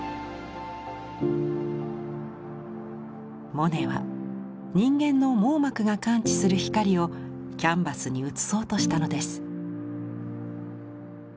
モネは人間の網膜が感知する「光」をキャンバスに写そうとしたのです。